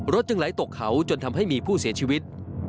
จึงไหลตกเขาจนทำให้มีผู้เสียชีวิต